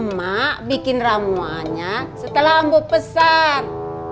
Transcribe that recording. mak bikin ramuannya setelah ambo pesan